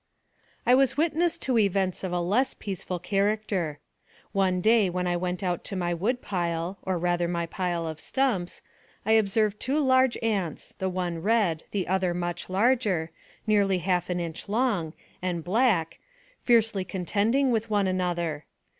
I was witness to events of a less peaceful character. One day when I went out to my wood pile, or rather my pile of stumps, I observed two large ants, the one red, the other much larger, nearly half an inch long, and black, fiercely contending with one another.